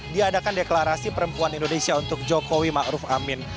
diadakan deklarasi perempuan indonesia untuk jokowi ma'ruf amin